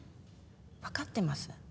分かってます。